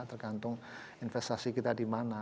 tergantung investasi kita di mana